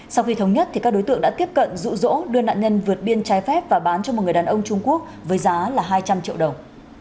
sau khi thống nhất các đối tượng đã tiếp cận rụ rỗ đưa nạn nhân vượt biên trái phép và bán cho một người đàn ông trung quốc với giá hai trăm linh triệu đồng